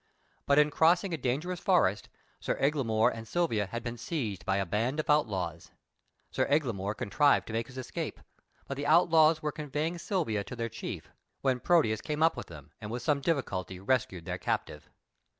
But in crossing a dangerous forest Sir Eglamour and Silvia had been seized by a band of outlaws. Sir Eglamour contrived to make his escape, but the outlaws were conveying Silvia to their chief, when Proteus came up with them and with some difficulty rescued their captive.